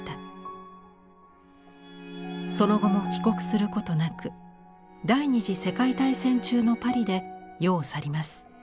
その後も帰国することなく第二次世界大戦中のパリで世を去ります。